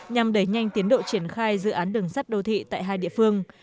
nhằm đẩy nhanh tiến độ triển khai dự án đường sắt đô thị tại hai địa phương